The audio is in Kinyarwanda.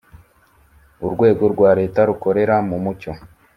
urwego rwa leta rukorera mumucyo.